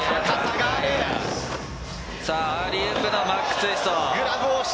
アーリーウープのマックツイスト。